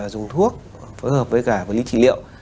dùng thuốc phối hợp với cả với lý trí liệu